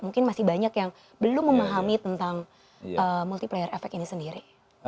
mungkin masih banyak yang belum memahami tentang multiplayer efek ini sendiri